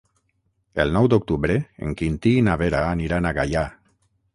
El nou d'octubre en Quintí i na Vera aniran a Gaià.